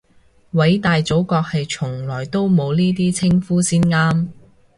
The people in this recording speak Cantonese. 偉大祖國係從來都冇呢啲稱呼先啱